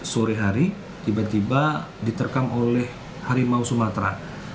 sore hari tiba tiba diterkam oleh harimau sumatera